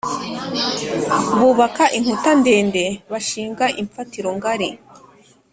bubaka inkuta ndende, bashinga imfatiro ngari